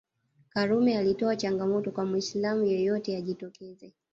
Karume alitoa changamoto kwa Muislam yeyote ajitokeze